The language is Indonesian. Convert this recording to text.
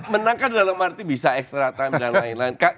menangkan dalam arti bisa extra time dan lain lain